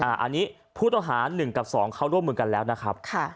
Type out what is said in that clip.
อันนี้ผู้ต่อหาหนึ่งกับสองเขาร่วมกันแล้วนะครับ